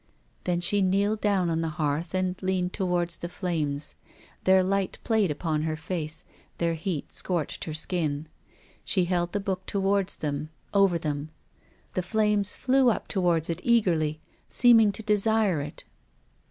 Then she kneeled down on the hearth and leaned towards the flames. Their light played upon her face, their heat scorched her skin. She held the book towards them, over them. The flames flew up towards it eagerly, seeming to desire it.